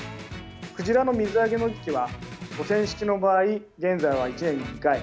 クジラの水揚げの時期は母船式の場合現在は１年に２回。